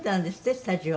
スタジオ」